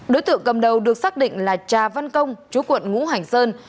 đối tượng cầm đầu được xác định là trà văn công chú quận ngũ hành sơn